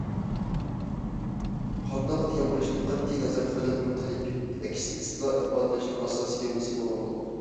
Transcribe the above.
قانداق تېما بولۇشىدىن قەتئىينەزەر، خەلقنىڭ تەلىپى ئەكس ئەتسىلا، ئىپادىلەشنىڭ ئاساسىي گەۋدىسى بولغان بولىدۇ.